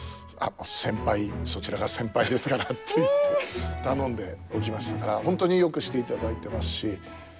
先輩そちらが先輩ですから」って言って頼んでおきましたから本当によくしていただいてますし。